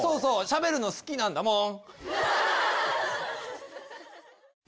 しゃべるの好きなんだもん！